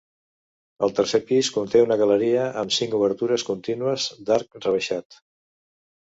El tercer pis conté una galeria amb cinc obertures contínues d'arc rebaixat.